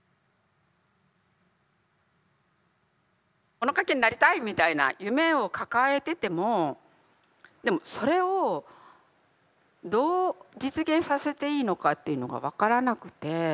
物書きになりたいみたいな夢を抱えててもでもそれをどう実現させていいのかっていうのが分からなくて。